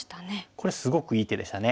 これすごくいい手でしたね。